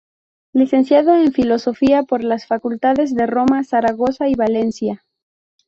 Licenciado en Filosofía por las Facultades de Roma, Zaragoza y Valencia.